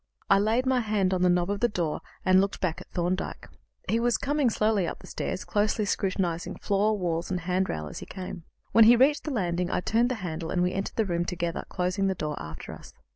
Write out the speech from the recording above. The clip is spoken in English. I laid my hand on the knob of the door, and looked back at Thorndyke. He was coming slowly up the stairs, closely scrutinizing floor, walls, and handrail as he came. When he reached the landing, I turned the handle, and we entered the room together, closing the door after us.